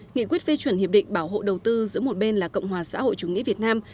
nghị quyết phê chuẩn hiệp định bảo hộ đầu tư giữa một bên là cộng hòa xã hội chủ nghĩa việt nam